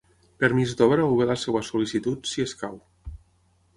Permís d'obra o bé la seva sol·licitud, si escau.